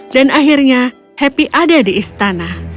dan akhirnya happy ada di istana